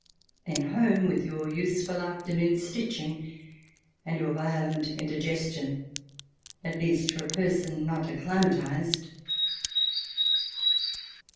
Then home with your useful afternoon's stitching and your violent indigestion — at least for a person not acclimatized.